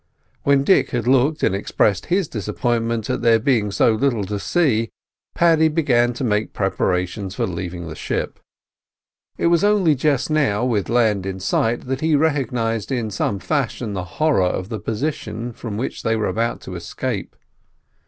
When Dick had looked and expressed his disappointment at there being so little to see, Paddy began to make preparations for leaving the ship. It was only just now, with land in sight, that he recognised in some fashion the horror of the position from which they were about to escape.